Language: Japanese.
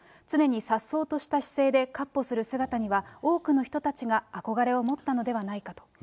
常にさっそうとした姿勢で闊歩する姿には多くの人たちが憧れを持ったのではないかと。